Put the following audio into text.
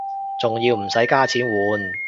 仲要唔使加錢換